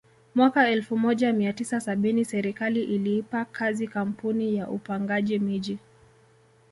Mwaka elfu moja mia tisa sabini serikali iliipa kazi kampuni ya upangaji miji